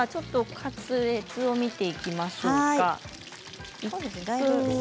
カツレツを見ていきましょうか。